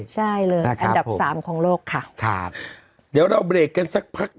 ใช่เลยอันดับสามของโลกค่ะครับเดี๋ยวเราเบรกกันสักพัก